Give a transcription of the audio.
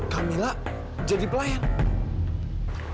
kamila jadi pelayan